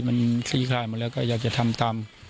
มันคลีคลายหมดแล้วก็อยากจะทำ